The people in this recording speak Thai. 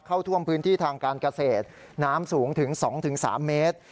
เข้าท่วมพื้นที่ทางการเกษตรน้ำสูงถึง๒๓เมตร